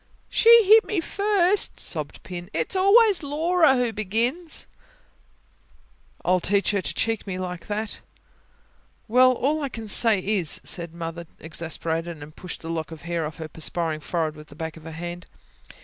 "She hit me first," sobbed Pin. "It's always Laura who begins." "I'll teach her to cheek me like that!" "Well, all I can say is," said Mother exasperated, and pushed a lock of hair off her perspiring forehead with the back of her hand.